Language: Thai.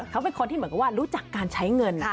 เขาเป็นคนที่เหมือนกับว่ารู้จักการใช้เงิน